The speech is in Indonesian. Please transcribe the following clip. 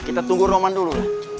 kita tunggu roman dulu